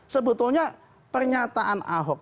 sebetulnya pernyataan ahok